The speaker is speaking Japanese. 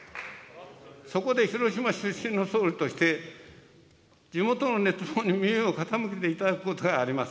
そこで広島出身の総理として、地元の熱望に耳を傾けていただくことがあります。